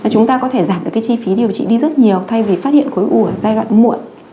chúng ta có thể giảm được chi phí điều trị đi rất nhiều thay vì phát hiện cuối ủ ở giai đoạn muộn